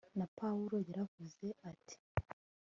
na pawulo yaravuze ati